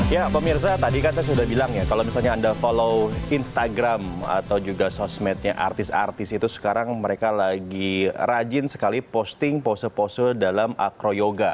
ya pemirsa tadi kan saya sudah bilang ya kalau misalnya anda follow instagram atau juga sosmednya artis artis itu sekarang mereka lagi rajin sekali posting pose pose dalam acroyoga